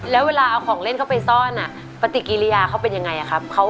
แล้วเวลาเอาของเล่นเข้าไปซ่อนปฏิกิริยาเขาเป็นยังไงครับ